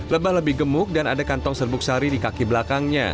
lebah lebih gemuk dan ada kantong serbuk sari di kaki belakangnya